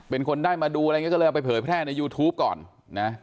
เป็นคนได้มาดูอะไรอย่างนี้ก็เลยเอาไปเผยแพร่ในยูทูปก่อนนะ